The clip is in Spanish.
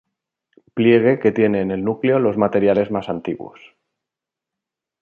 Pliegue que tiene en el núcleo los materiales más antiguos.